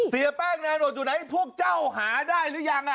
เสียแป้งนาโนตอยู่ไหนพวกเจ้าหาได้หรือยัง